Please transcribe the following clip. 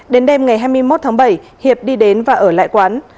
đến đêm ngày hai mươi một tháng bảy hiệp đi đến và ở lại quán